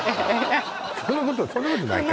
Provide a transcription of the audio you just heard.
そんなことそんなことないか？